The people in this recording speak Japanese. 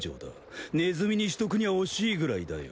ネズミにしとくにゃ惜しいくらいだよ。